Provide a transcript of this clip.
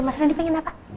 mas rendy pengen apa